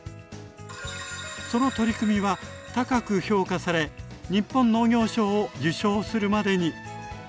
その取り組みは高く評価され「日本農業賞」を受賞するまでに。